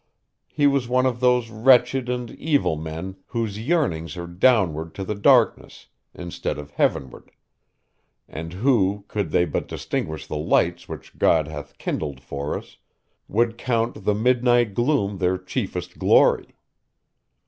He was one of those wretched and evil men whose yearnings are downward to the darkness, instead of heavenward, and who, could they but distinguish the lights which God hath kindled for us, would count the midnight gloom their chiefest glory.